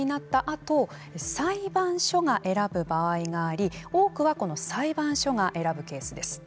あと裁判所が選ぶ場合があり多くはこの裁判所が選ぶケースです。